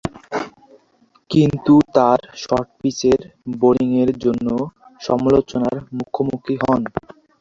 কিন্তু তার শর্ট-পিচের বোলিংয়ের জন্য সমালোচনার মুখোমুখি হন।